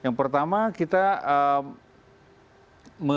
yang pertama kita lihat dari hasil hasil exit poll